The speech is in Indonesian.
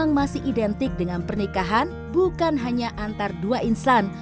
sehingga pernikahan yang identik dengan pernikahan bukan hanya antar dua insan